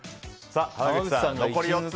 濱口さん、残り４つ。